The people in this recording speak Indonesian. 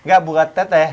enggak buat teteh